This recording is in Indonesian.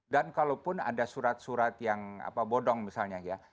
kalaupun ada surat surat yang bodong misalnya ya